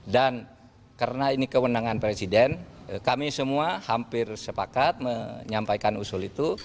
dan karena ini kewenangan presiden kami semua hampir sepakat menyampaikan usul itu